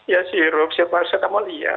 ya sirup sirup paracetamol iya